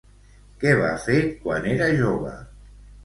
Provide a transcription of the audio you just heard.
Què va fer quan era jove?